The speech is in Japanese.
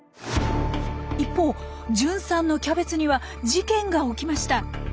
一方純さんのキャベツには事件が起きました。